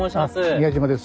宮島です